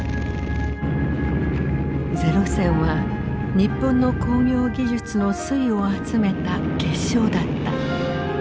零戦は日本の工業技術の粋を集めた結晶だった。